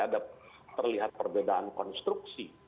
ada terlihat perbedaan konstruksi